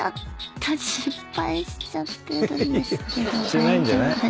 してないんじゃない？